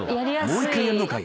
もう１回やんのかい！